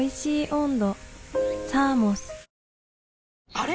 あれ？